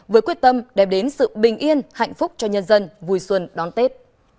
với quyết tâm đem đến sự bình yên hạnh phúc cho nhân dân vui xuân đón tết